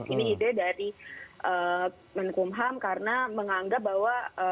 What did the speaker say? ini ide dari menkumham karena menganggap bahwa